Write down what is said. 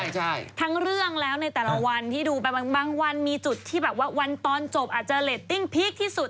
ใช่ทั้งเรื่องแล้วในแต่ละวันที่ดูไปบางวันมีจุดที่แบบว่าวันตอนจบอาจจะเรตติ้งพีคที่สุด